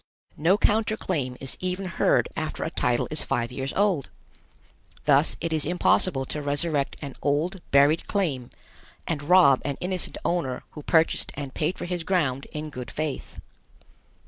No counter claim is even heard after a title is five years old. Thus it is impossible to resurrect an old buried claim and rob an innocent owner who purchased and paid for his ground in good faith.